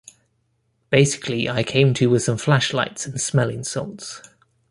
Basically, I came to with some flashlights and smelling salts.